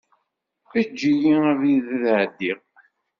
Eǧǧ-iyi abrid ad ɛeddiɣ.